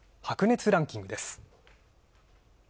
「白熱！ランキング」です。